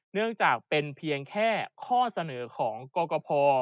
เนื่องจากเป็นเพียงแค่ข้อเสนอของกรกภ